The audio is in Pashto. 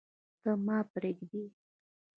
ته، ما پریږدې